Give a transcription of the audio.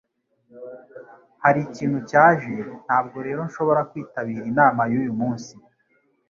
Hari ikintu cyaje, ntabwo rero nshobora kwitabira inama yuyu munsi.